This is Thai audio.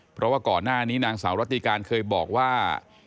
เพราะว่าก่อนหน้านี้นางสาวรัติการเคยบอกว่า